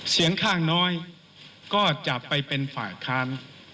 เสียงข้างน้อยก็จะไปเป็นฝ่ายค้าน